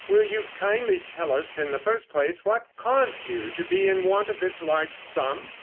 Will you kindly tell us in the first place what caused you to be in want of this large sum?"